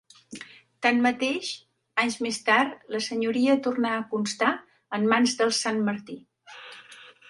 Tanmateix, anys més tard la senyoria torna a constar en mans dels Santmartí.